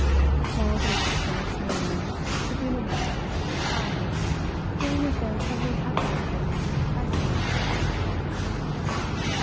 Cold and dark the next morning. Sabina woke, tired, feeling as though something heavy had been pressing under her heart all night.